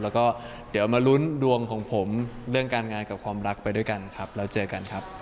แล้วก็เดี๋ยวมาลุ้นดวงของผมเรื่องการงานกับความรักไปด้วยกันครับเราเจอกันครับ